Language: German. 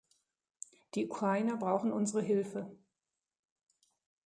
Die Ukrainer brauchen unsere Hilfe.